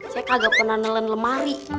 saya kagak pernah nelin lemari